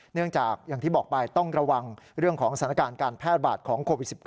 อย่างที่บอกไปต้องระวังเรื่องของสถานการณ์การแพร่บาดของโควิด๑๙